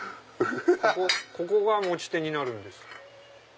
ここが持ち手になるんです。